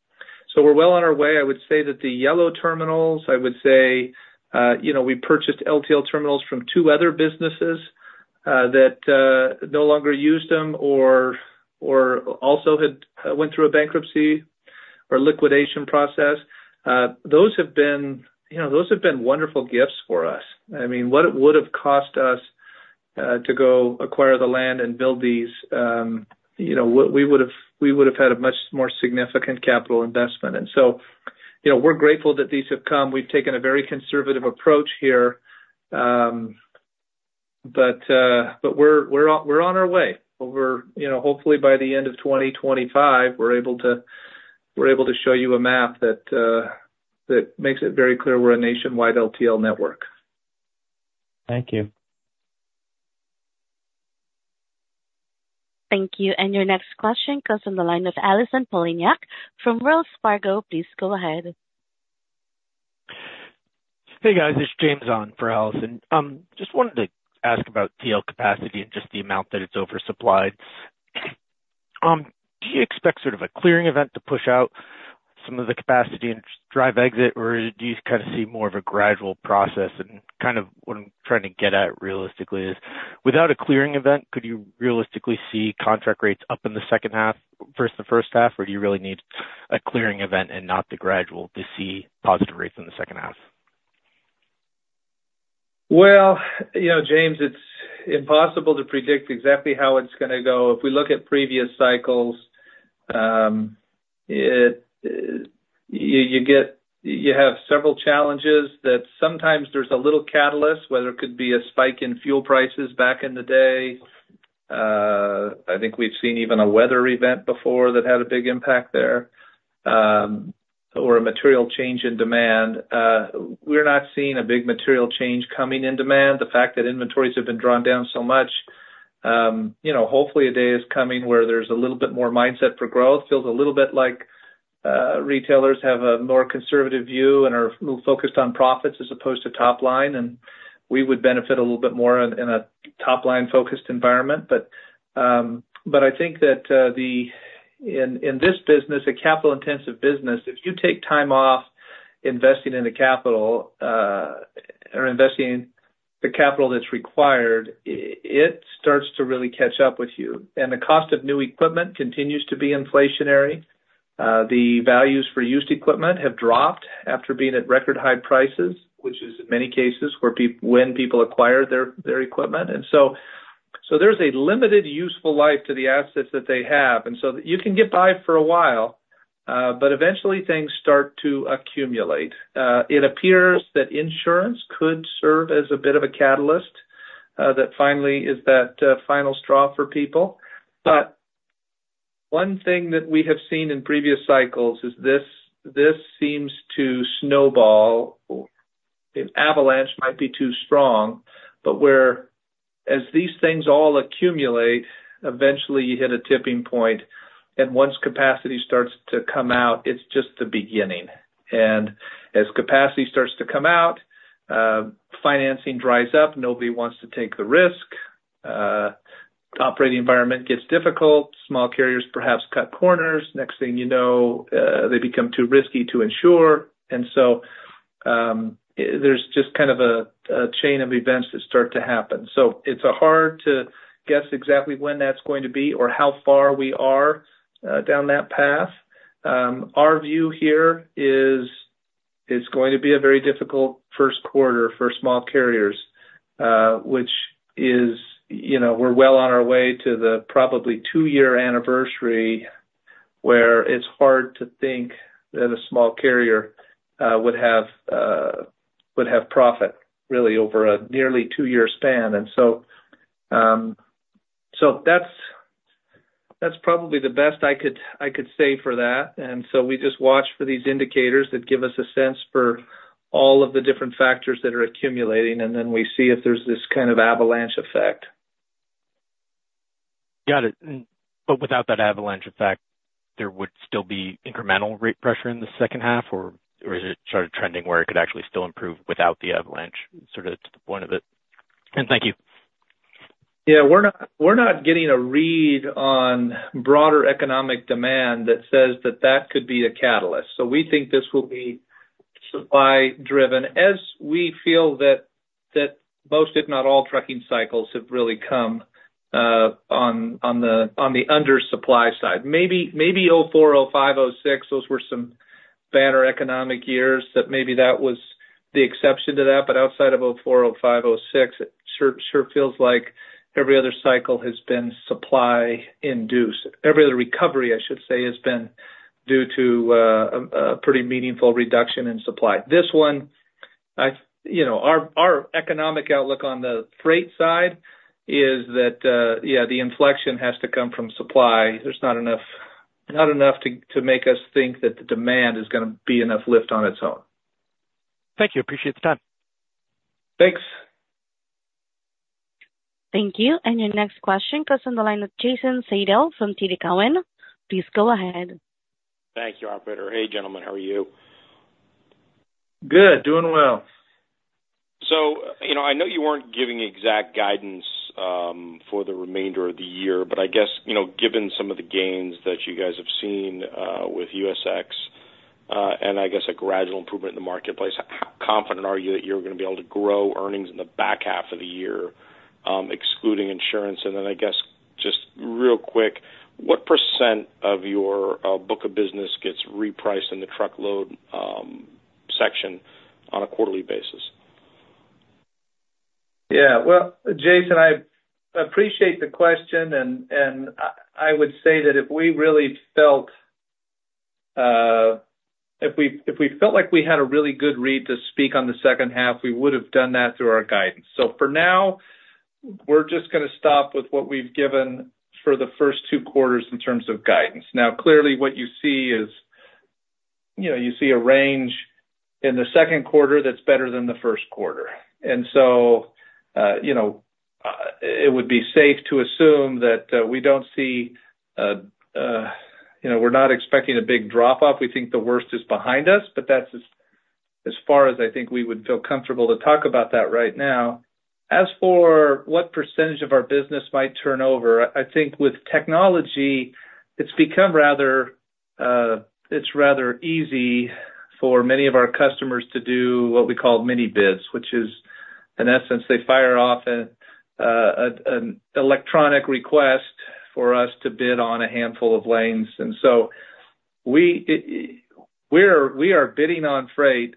we're well on our way. I would say that the Yellow terminals, I would say, you know, we purchased LTL terminals from two other businesses that no longer use them or also had went through a bankruptcy or liquidation process. Those have been, you know, those have been wonderful gifts for us. I mean, what it would have cost us to go acquire the land and build these, you know, we, we would've, we would've had a much more significant capital investment. And so, you know, we're grateful that these have come. We've taken a very conservative approach here, but, but we're, we're on, we're on our way. We're, you know, hopefully by the end of 2025, we're able to, we're able to show you a map that, that makes it very clear we're a nationwide LTL network. Thank you. Thank you. Your next question comes from the line of Allison Poliniak-Cusic from Wells Fargo. Please go ahead. Hey, guys, it's James on for Allison. Just wanted to ask about TL capacity and just the amount that it's oversupplied. Do you expect sort of a clearing event to push out some of the capacity and drive exit, or do you kind of see more of a gradual process? And kind of what I'm trying to get at realistically is, without a clearing event, could you realistically see contract rates up in the second half versus the first half, or do you really need a clearing event and not the gradual to see positive rates in the second half? Well, you know, James, it's impossible to predict exactly how it's gonna go. If we look at previous cycles, you have several challenges that sometimes there's a little catalyst, whether it could be a spike in fuel prices back in the day. I think we've seen even a weather event before that had a big impact there, or a material change in demand. We're not seeing a big material change coming in demand. The fact that inventories have been drawn down so much, you know, hopefully a day is coming where there's a little bit more mindset for growth. Feels a little bit retailers have a more conservative view and are more focused on profits as opposed to top line, and we would benefit a little bit more in a top line focused environment. But I think that in this business, a capital-intensive business, if you take time off investing in the capital, or investing the capital that's required, it starts to really catch up with you. And the cost of new equipment continues to be inflationary. The values for used equipment have dropped after being at record high prices, which is in many cases where people acquire their equipment. And so there's a limited useful life to the assets that they have, and so you can get by for a while, but eventually things start to accumulate. It appears that insurance could serve as a bit of a catalyst, that finally is the final straw for people. But one thing that we have seen in previous cycles is this seems to snowball. An avalanche might be too strong, but whereas these things all accumulate, eventually you hit a tipping point, and once capacity starts to come out, it's just the beginning. And as capacity starts to come out, financing dries up, nobody wants to take the risk, operating environment gets difficult, small carriers perhaps cut corners. Next thing you know, they become too risky to insure. And so, there's just kind of a chain of events that start to happen. So it's hard to guess exactly when that's going to be or how far we are down that path. Our view here is, it's going to be a very difficult first quarter for small carriers, which is, you know, we're well on our way to the probably two-year anniversary, where it's hard to think that a small carrier would have profit, really, over a nearly two-year span. And so, that's probably the best I could say for that. And so we just watch for these indicators that give us a sense for all of the different factors that are accumulating, and then we see if there's this kind of avalanche effect. Got it. But without that avalanche effect, there would still be incremental rate pressure in the second half or, or is it sort of trending where it could actually still improve without the avalanche, sort of, to the point of it? And thank you. Yeah, we're not, we're not getting a read on broader economic demand that says that that could be a catalyst. So we think this will be supply driven, as we feel that, that most, if not all, trucking cycles have really come on, on the, on the under supply side. Maybe, maybe 2004, 2005, 2006, those were some banner economic years, that maybe that was the exception to that, but outside of 2004, 2005, 2006, it sure, sure feels like every other cycle has been supply induced. Every other recovery, I should say, has been due to a, a pretty meaningful reduction in supply. This one, I, you know, our, our economic outlook on the freight side is that, yeah, the inflection has to come from supply. There's not enough to make us think that the demand is gonna be enough lift on its own. Thank you. Appreciate the time. Thanks. Thank you. Your next question comes on the line with Jason Seidl from TD Cowen. Please go ahead. Thank you, operator. Hey, gentlemen, how are you? Good. Doing well. So, you know, I know you weren't giving exact guidance, for the remainder of the year, but I guess, you know, given some of the gains that you guys have seen, with USX, and I guess, a gradual improvement in the marketplace, how confident are you that you're gonna be able to grow earnings in the back half of the year, excluding insurance? And then, I guess, just real quick, what percent of your, book of business gets repriced in the truckload, section on a quarterly basis? Yeah. Well, Jason, I appreciate the question. I would say that if we really felt like we had a really good read to speak on the second half, we would have done that through our guidance. So for now, we're just gonna stop with what we've given for the first two quarters in terms of guidance. Now, clearly, what you see is, you know, you see a range in the second quarter that's better than the first quarter. And so, you know, it would be safe to assume that we don't see... You know, we're not expecting a big drop off. We think the worst is behind us, but that's as far as I think we would feel comfortable to talk about that right now. As for what percentage of our business might turn over, I think with technology, it's become rather, it's rather easy for many of our customers to do what we call mini bids, which is, in essence, they fire off an electronic request for us to bid on a handful of lanes. And so we are bidding on freight,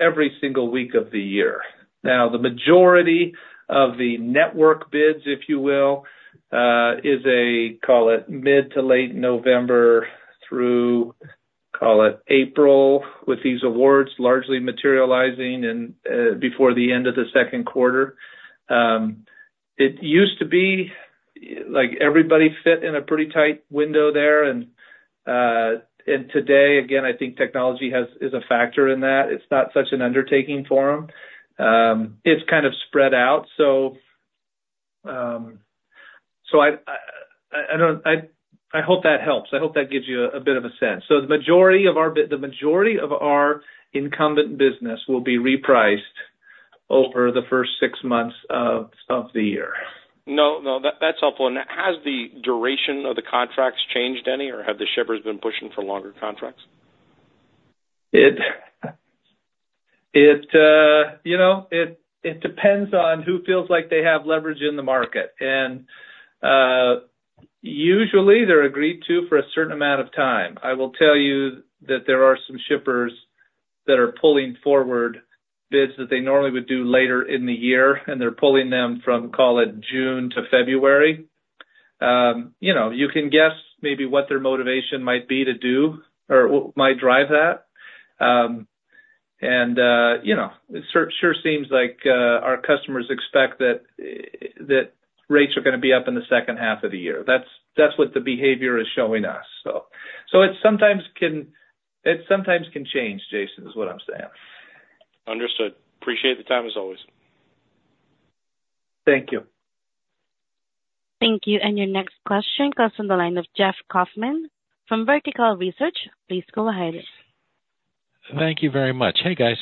every single week of the year. Now, the majority of the network bids, if you will, is a, call it, mid to late November through, call it, April, with these awards largely materializing and before the end of the second quarter. It used to be, like, everybody fit in a pretty tight window there, and today, again, I think technology is a factor in that. It's not such an undertaking for them. It's kind of spread out. So I hope that helps. I hope that gives you a bit of a sense. So the majority of our incumbent business will be repriced over the first six months of the year. No, no, that's helpful. And has the duration of the contracts changed any, or have the shippers been pushing for longer contracts? You know, it depends on who feels like they have leverage in the market. And usually, they're agreed to for a certain amount of time. I will tell you that there are some shippers that are pulling forward bids that they normally would do later in the year, and they're pulling them from, call it June to February. You know, you can guess maybe what their motivation might be to do or what might drive that. And, you know, it sure seems like our customers expect that rates are gonna be up in the second half of the year. That's what the behavior is showing us. So it sometimes can change, Jason, is what I'm saying. Understood. Appreciate the time, as always. Thank you. Thank you, and your next question comes from the line of Jeff Kauffman from Vertical Research. Please go ahead. Thank you very much. Hey, guys.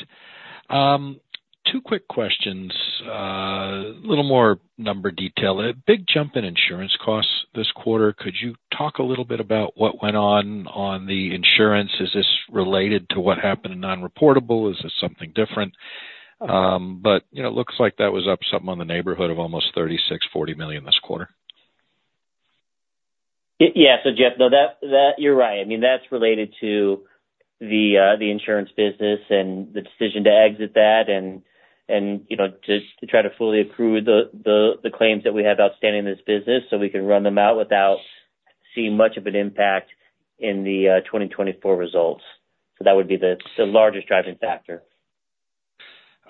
Two quick questions. A little more number detail. A big jump in insurance costs this quarter. Could you talk a little bit about what went on, on the insurance? Is this related to what happened in non-reportable? Is this something different? But, you know, it looks like that was up something in the neighborhood of almost $36 million-$40 million this quarter. Yeah. So, Jeff, no, that... You're right. I mean, that's related to the insurance business and the decision to exit that and, you know, just to try to fully accrue the claims that we have outstanding in this business, so we can run them out without seeing much of an impact in the 2024 results. So that would be the largest driving factor.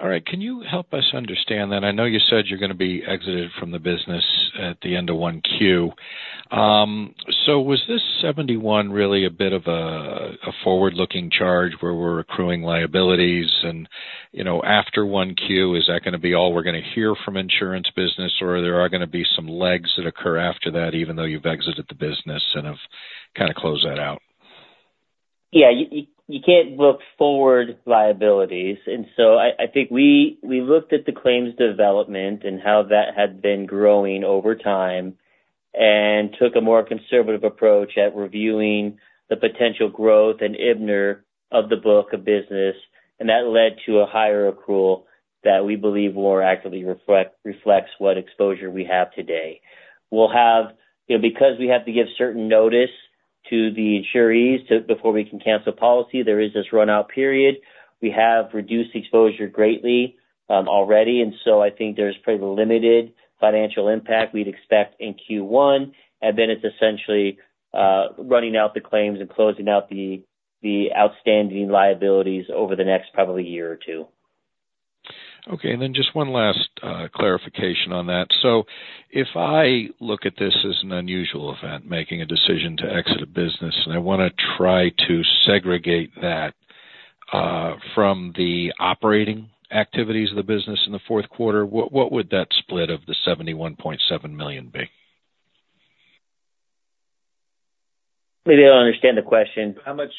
All right. Can you help us understand, then? I know you said you're gonna be exited from the business at the end of 1Q. So was this $71 really a bit of a, a forward-looking charge where we're accruing liabilities and, you know, after 1Q, is that gonna be all we're gonna hear from insurance business, or are there gonna be some legs that occur after that, even though you've exited the business and have kind of closed that out? Yeah, you can't book forward liabilities. And so I think we looked at the claims development and how that had been growing over time, and took a more conservative approach at reviewing the potential growth and IBNR of the book of business, and that led to a higher accrual that we believe more accurately reflects what exposure we have today. We'll have-- You know, because we have to give certain notice to the insureds before we can cancel a policy, there is this run-out period. We have reduced exposure greatly already, and so I think there's pretty limited financial impact we'd expect in Q1. And then it's essentially running out the claims and closing out the outstanding liabilities over the next probably year or two. Okay, and then just one last clarification on that. So if I look at this as an unusual event, making a decision to exit a business, and I wanna try to segregate that from the operating activities of the business in the fourth quarter, what would that split of the $71.7 million be? Maybe I don't understand the question. How much,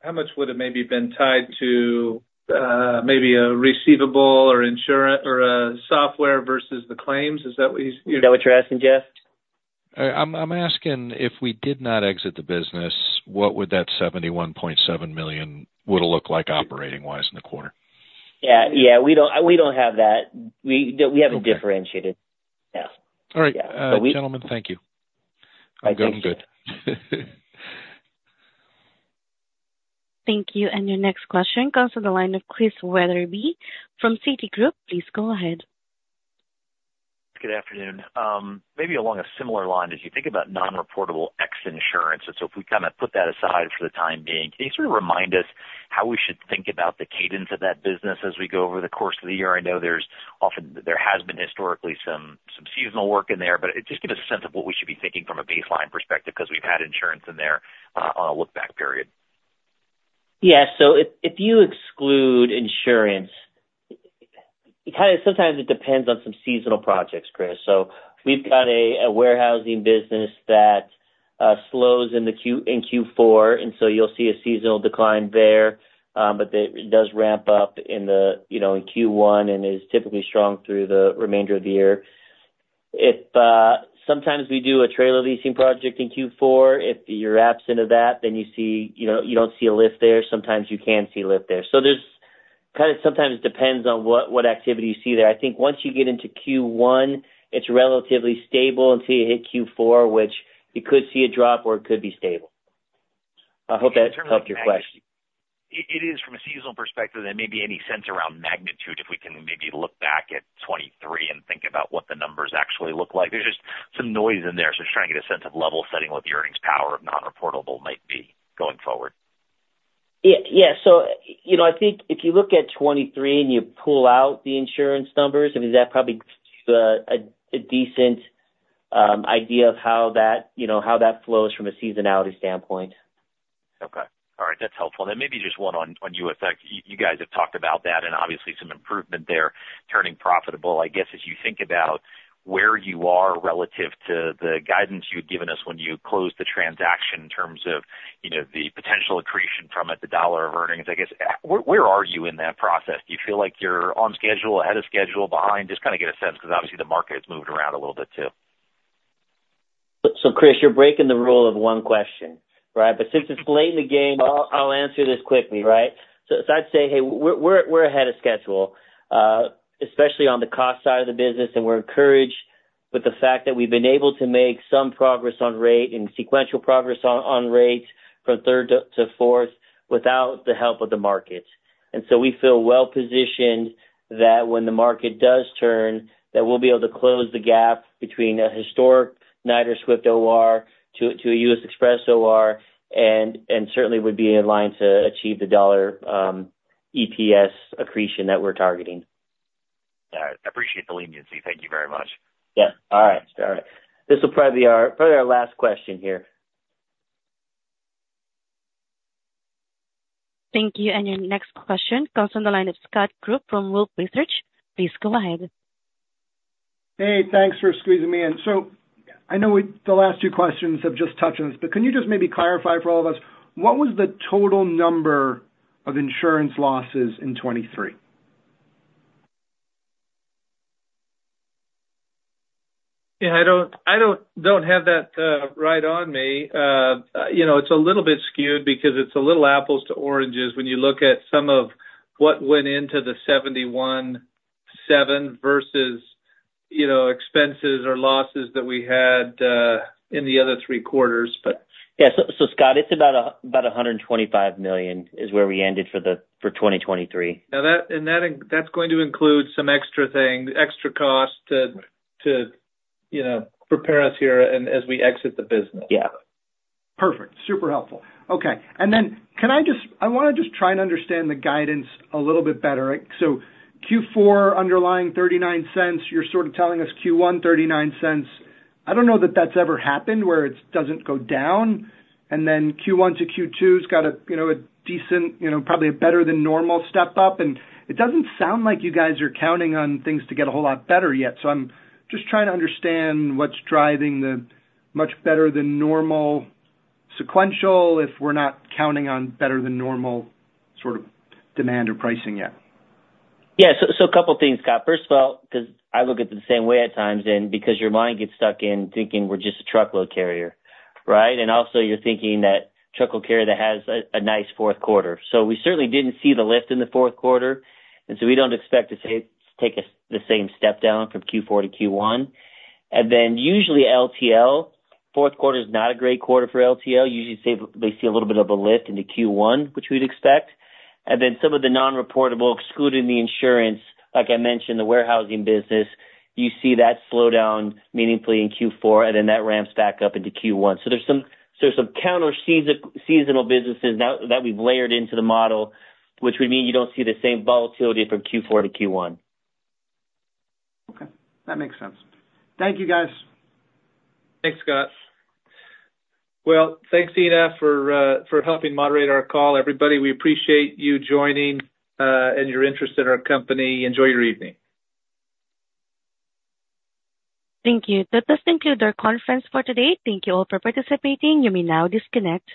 how much would it maybe been tied to, maybe a receivable or insur- or a software versus the claims? Is that what he's, you know- Is that what you're asking, Jeff? I'm asking, if we did not exit the business, what would that $71.7 million would look like operating-wise in the quarter? Yeah, yeah. We don't, we don't have that. We- Okay. We haven't differentiated. Yeah. All right. Yeah. Gentlemen, thank you. My pleasure. I'm good. Thank you, and your next question goes to the line of Chris Wetherbee from Citigroup. Please go ahead. Good afternoon. Maybe along a similar line, as you think about non-reportable ex insurance, and so if we kind of put that aside for the time being, can you sort of remind us how we should think about the cadence of that business as we go over the course of the year? I know there has been historically some seasonal work in there. But just give us a sense of what we should be thinking from a baseline perspective, because we've had insurance in there, on a look-back period. Yeah, so if you exclude insurance, it kind of—sometimes it depends on some seasonal projects, Chris. So we've got a warehousing business that slows in the Q, in Q4, and so you'll see a seasonal decline there. But it does ramp up in the, you know, in Q1, and is typically strong through the remainder of the year. If sometimes we do a trailer leasing project in Q4. If you're absent of that, then you see, you know, you don't see a lift there. Sometimes you can see a lift there. So there's—kind of sometimes depends on what activity you see there. I think once you get into Q1, it's relatively stable until you hit Q4, which you could see a drop or it could be stable. I hope that helped your question. It is from a seasonal perspective, and maybe any sense around magnitude, if we can maybe look back at 2023 and think about what the numbers actually look like. There's just some noise in there, so just trying to get a sense of level setting, what the earnings power of non-reportable might be going forward. Yeah, yeah. So, you know, I think if you look at 2023 and you pull out the insurance numbers, I mean, that probably gives you a decent idea of how that, you know, how that flows from a seasonality standpoint. Okay. All right, that's helpful. And then maybe just one on U.S. Xpress. You guys have talked about that and obviously some improvement there, turning profitable. I guess, as you think about where you are relative to the guidance you'd given us when you closed the transaction in terms of, you know, the potential accretion from it, the dollar of earnings, I guess, where are you in that process? Do you feel like you're on schedule, ahead of schedule, behind? Just kind of get a sense, because obviously the market has moved around a little bit too. So, Chris, you're breaking the rule of one question, right? But since it's late in the game, I'll answer this quickly, right? So I'd say, hey, we're ahead of schedule, especially on the cost side of the business, and we're encouraged with the fact that we've been able to make some progress on rate and sequential progress on rates from third to fourth without the help of the market. And so we feel well positioned that when the market does turn, that we'll be able to close the gap between a historic Knight-Swift OR to a U.S. Xpress OR, and certainly would be in line to achieve the dollar EPS accretion that we're targeting. All right. I appreciate the leniency. Thank you very much. Yeah. All right. All right. This will probably be our probably our last question here. Thank you. And your next question comes on the line of Scott Group from Wolfe Research. Please go ahead. Hey, thanks for squeezing me in. So I know we, the last two questions have just touched on this, but can you just maybe clarify for all of us, what was the total number of insurance losses in 2023? Yeah, I don't have that right on me. You know, it's a little bit skewed because it's a little apples to oranges when you look at some of what went into the 71.7 versus, you know, expenses or losses that we had in the other three quarters, but- Yeah, so Scott, it's about $125 million is where we ended for 2023. Now that and that's going to include some extra things, extra costs to you know prepare us here and as we exit the business. Yeah. Perfect. Super helpful. Okay, and then can I just—I wanna just try and understand the guidance a little bit better. So Q4 underlying $0.39, you're sort of telling us Q1 $0.39. I don't know that that's ever happened, where it doesn't go down, and then Q1 to Q2's got a, you know, a decent, you know, probably a better than normal step up, and it doesn't sound like you guys are counting on things to get a whole lot better yet. So I'm just trying to understand what's driving the much better than normal sequential, if we're not counting on better than normal sort of demand or pricing yet. Yeah, so, so a couple things, Scott. First of all, because I look at it the same way at times, and because your mind gets stuck in thinking we're just a truckload carrier, right? And also you're thinking that truckload carrier that has a, a nice fourth quarter. So we certainly didn't see the lift in the fourth quarter, and so we don't expect to say, take a, the same step down from Q4 to Q1. And then usually LTL, fourth quarter is not a great quarter for LTL. Usually, they see a little bit of a lift into Q1, which we'd expect. And then some of the non-reportable, excluding the insurance, like I mentioned, the warehousing business, you see that slow down meaningfully in Q4, and then that ramps back up into Q1. So there's some counter-seasonal businesses that we've layered into the model, which would mean you don't see the same volatility from Q4 to Q1. Okay, that makes sense. Thank you, guys. Thanks, Scott. Well, thanks, Ina, for helping moderate our call. Everybody, we appreciate you joining and your interest in our company. Enjoy your evening. Thank you. That does conclude our conference for today. Thank you all for participating. You may now disconnect.